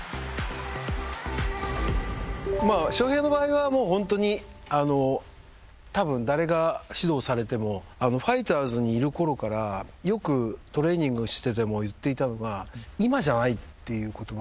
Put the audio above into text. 翔平の場合はホントにたぶん誰が指導されてもファイターズにいるころからよくトレーニングしてても言っていたのが「今じゃない」っていう言葉を。